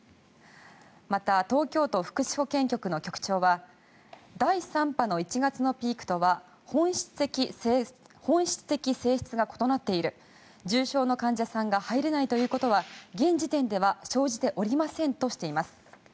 また、東京都福祉保健局の局長は第３波の１月のピークとは本質的性質が異なっている重症の患者さんが入れないということは現時点では生じておりませんとしています。